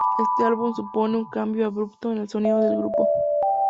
Este álbum supone un cambio abrupto en el sonido del grupo.